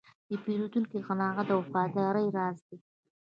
د پیرودونکي قناعت د وفادارۍ راز دی.